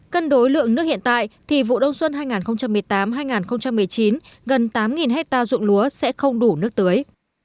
cân đối lượng nước hiện tại thì vụ đông xuân hai nghìn một mươi tám hai nghìn một mươi chín gần tám hectare dụng lúa sẽ không đủ nước tưới